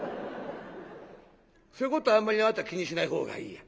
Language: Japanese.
「そういうことあんまりあなた気にしないほうがいいや。